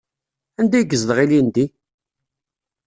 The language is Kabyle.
Anda ay yezdeɣ ilindi?